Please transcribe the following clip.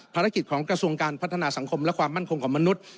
ภารกิจของกระทรวงการพัฒนาสังคมและความมั่นคงของมนุษย์